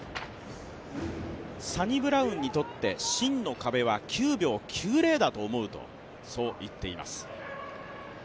サニブラウンにとって真の壁は９秒９０だと思うと、そう言っています。